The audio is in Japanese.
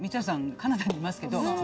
カナダにいますけど。